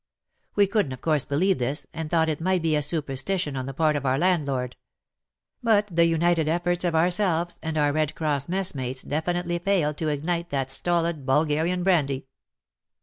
We couldn't of course believe this, and thought it might be a superstition on the part of our landlord. But the united efforts of ourselves and our Red Cross messmates definitely failed to ignite that stolid Bulgarian brandy.